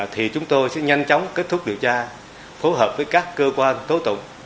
thì chúng tôi sẽ nhanh chóng kết thúc điều tra phối hợp với các cơ quan tố tụng